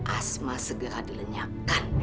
asma segera dilenyakkan